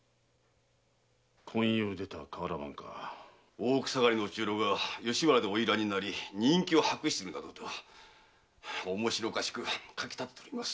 大奥下がりのお中臈が吉原で花魁になり人気を博していると面白おかしく書き立てております。